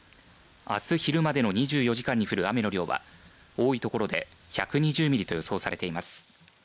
あす昼までの２４時間に降る雨の量は多いところで１２０ミリと予想されています。